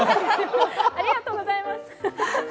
ありがとうございます！